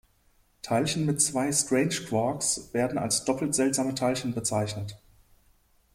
Teilchen mit zwei Strange-Quarks werden als „doppelt seltsame Teilchen“ bezeichnet.